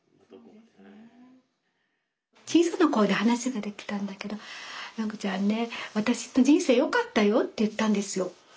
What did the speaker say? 小さな声で話ができたんだけどめぐちゃんね私の人生よかったよって言ったんですよ。